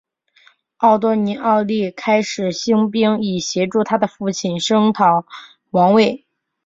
奥多尼奥立即开始兴兵以协助他的父亲声讨王位。